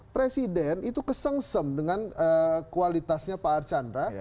presiden itu kesengsem dengan kualitasnya pak archandra